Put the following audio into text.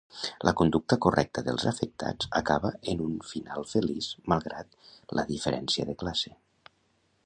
La conducta correcta dels afectats acaba en un final feliç malgrat la diferència de classe.